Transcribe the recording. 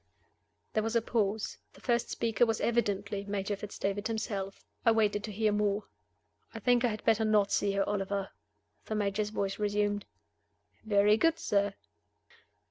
There was a pause. The first speaker was evidently Major Fitz David himself. I waited to hear more. "I think I had better not see her, Oliver," the Major's voice resumed. "Very good, sir."